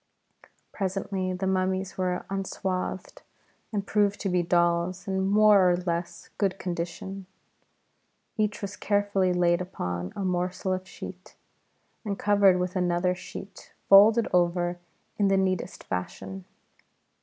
Presently the mummies were unswathed, and proved to be dolls in more or less good condition. Each was carefully laid upon a morsel of sheet, and covered with another sheet folded over in the neatest fashion.